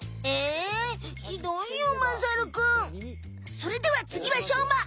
それではつぎはしょうま！